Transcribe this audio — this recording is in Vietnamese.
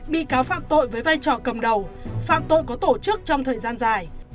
bị cáo phạm tội với vai trò cầm đầu phạm tội có tổ chức trong thời gian dài